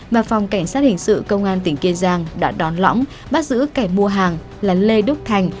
mà phòng cảnh sát hình sự công an tỉnh kiên giang đã đón lõng bắt giữ kẻ mua hàng là lê đức thành